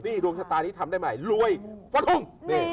นี่ดวงชะตานี้ทำได้ใหม่รวยฟะทุ่ง